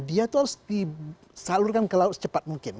dia itu harus disalurkan ke laut secepat mungkin